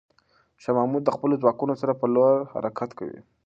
شاه محمود د خپلو ځواکونو سره پر لور حرکت کوي.